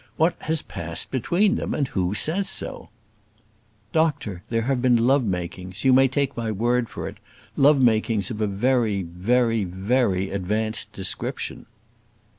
"What has passed between them? and who says so?" "Doctor, there have been love makings, you may take my word for it; love makings of a very, very, very advanced description."